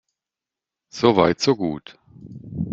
So weit, so gut.